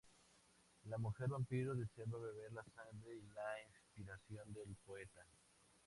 La mujer vampiro desea beber la sangre y la inspiración del poeta.